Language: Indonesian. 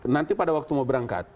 nanti pada waktu mau berangkat